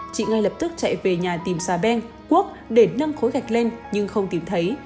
chị ngay lập tức chạy về nhà tìm xà beng cuốc để nâng khối gạch lên nhưng không tìm thấy